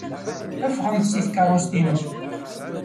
Ffɣemt seg tkeṛṛust-inu!